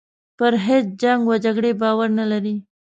پر هیچ جنګ و جګړې باور نه لري.